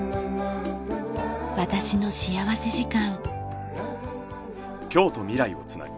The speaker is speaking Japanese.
『私の幸福時間』。